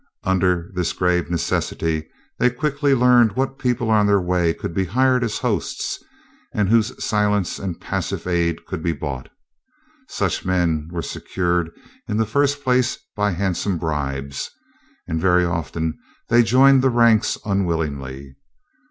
Under this grave necessity they quickly learned what people on their way could be hired as hosts and whose silence and passive aid could be bought. Such men were secured in the first place by handsome bribes. And very often they joined the ranks unwillingly.